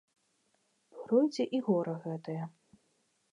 Пройдзе і гора гэтае.